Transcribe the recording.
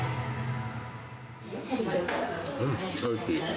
うん、おいしい。